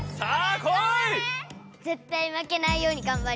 ぜったいまけないようにがんばります。